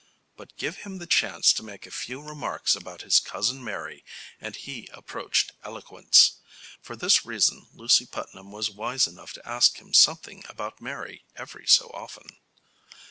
But give him the chance to make a few remarks about his cousin Mary and he approached eloquence. For this reason Lucy Putnam was wise enough to ask him something about Mary every so often.